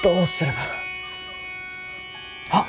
あっ！